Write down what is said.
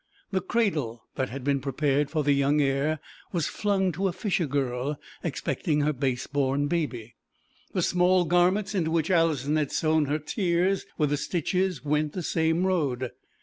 The cradle that had been prepared for the young heir was flung to a fishergirl expecting her base born baby: the small garments into which Alison had sewn her tears with the stitches went the same road.